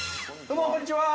どうもこんにちは。